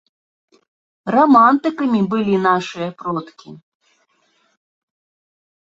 Рамантыкамі былі нашыя продкі!